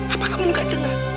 apa kamu gak dengar